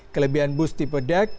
kelebihan bus tipe deck rendah